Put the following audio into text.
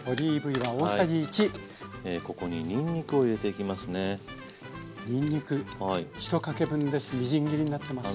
ここににんにくを入れていきますね。